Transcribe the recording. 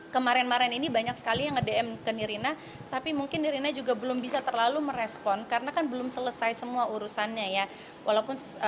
kemarin marin ini banyak sekali yang ngedm ke nirina tapi mungkin nirina juga belum bisa terlalu merespon karena kan belum selesai semua urusannya ya walaupun